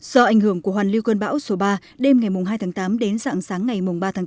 do ảnh hưởng của hoàn lưu cơn bão số ba đêm ngày hai tháng tám đến dạng sáng ngày ba tháng tám